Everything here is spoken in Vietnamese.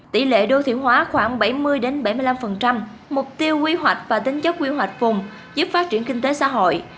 tỷ lệ đô thị hóa khoảng bảy mươi bảy mươi năm mục tiêu quy hoạch và tính chất quy hoạch vùng giúp phát triển kinh tế xã hội